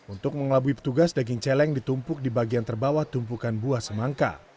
untuk mengelabui petugas daging celeng ditumpuk di bagian terbawah tumpukan buah semangka